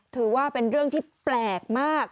ถือว่าเป็นเรื่องที่แปลกมาก